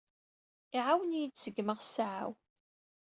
Iɛawen-iyi ad seggmeɣ ssaɛa-w.